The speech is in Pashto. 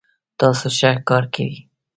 تاسو ښه کار کوئ